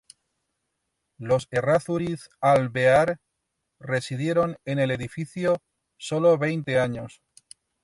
Los Errázuriz-Alvear residieron en el edificio sólo veinte años.